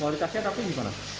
kualitasnya tapi gimana